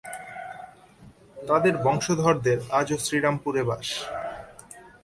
তাদের বংশধরদের আজও শ্রীরামপুরে বাস।